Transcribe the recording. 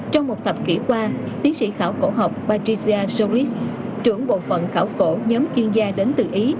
trong một thập kỷ qua tiến sĩ khảo cổ học patricia soris trưởng bộ phận khảo cổ nhóm chuyên gia đến từ ý